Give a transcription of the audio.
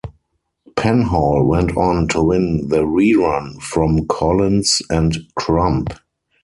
Penhall went on to win the re-run from Collins and Crump.